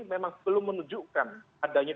memang belum menunjukkan adanya